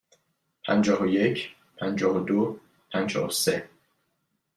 پنجاه و یک، پنجاه و دو، پنجاه و سه.